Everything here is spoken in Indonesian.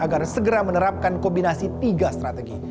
agar segera menerapkan kombinasi tiga strategi